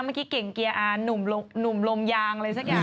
เมื่อกี้เก่งเกียร์อาหนุ่มลมยางอะไรสักอย่าง